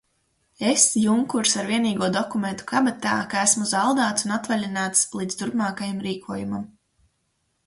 Es, junkurs, ar vienīgo dokumentu kabatā, ka esmu zaldāts un atvaļināts līdz turpmākajam rīkojumam.